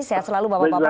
saya selalu bawa bapak